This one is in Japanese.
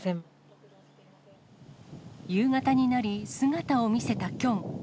夕方になり、姿を見せたキョン。